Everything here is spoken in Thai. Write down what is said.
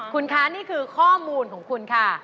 คุณคะนี่คือข้อมูลของคุณค่ะ